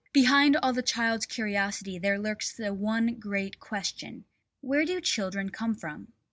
Behind all the child's curiosity there lurks the one great question: "Where do children come from?"